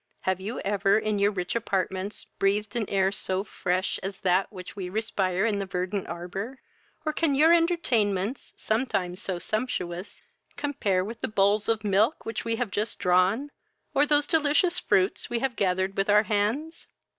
Have you ever in your rich apartments breathed an air so fresh as that which we respire in the verdant arbour? or can your entertainments, sometimes so sumptuous, compare with the bowls of milk which we have just drawn, or those delicious fruits we have gathered with our hands?